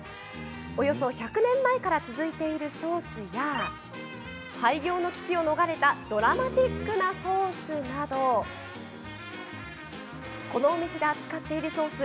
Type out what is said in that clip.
およそ１００年前から続いているソースや廃業の危機を逃れたドラマチックなソースなどこのお店で扱っているソース